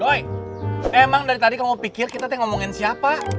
boy emang dari tadi kamu pikir kita tuh ngomongin siapa